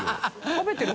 食べてる？